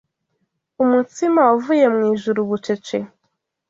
umutsima wavuye mu ijuru bucece